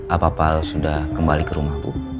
apa pak al sudah kembali ke rumah bu